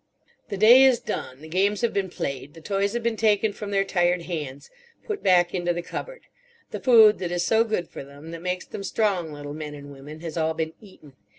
The day is done. The games have been played; the toys have been taken from their tired hands, put back into the cupboard. The food that is so good for them, that makes them strong little men and women, has all been eaten.